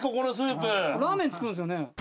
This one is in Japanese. ラーメン作るんですよね。